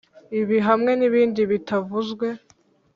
Ibi hamwe nibindi bitavuzwe